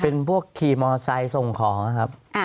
เป็นพวกขี่มอไซค์ส่งของนะครับ